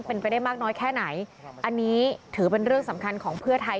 เป็นไปได้มากน้อยแค่ไหนอันนี้ถือเป็นเรื่องสำคัญของเพื่อไทย